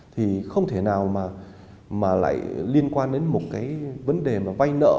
thì không thể nào mà lại liên quan đến một cái vấn đề mà vay nợ